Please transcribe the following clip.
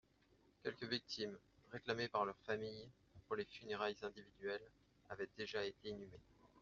Quelques victimes, réclamées par leurs familles, pour des funérailles individuelles, avaient déjà été inhumées.